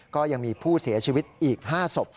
ก็ยังมีผู้เสียชีวิตอีก๕ศพ